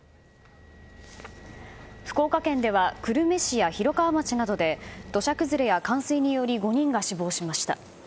福岡県では久留米市や広川町などで土砂崩れや冠水により５人が死亡しました。